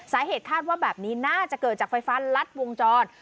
สาเหตุคาดว่าแบบนี้น่าจะเกิดจากไฟฟ้ารัดวงจร